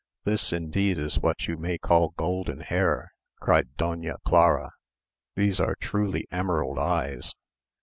"This, indeed, is what you may call golden hair," cried Doña Clara; "these are truly emerald eyes."